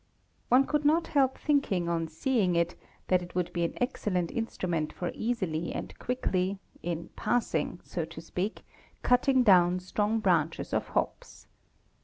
— One could not help thinking on seeing it that it would be an excellent instrument for easily and quickly, in passing so to speak, cutting down strong branches of hops.